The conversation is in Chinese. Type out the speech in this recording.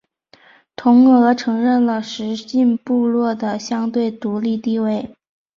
同俄承认了十姓部落的相对独立地位。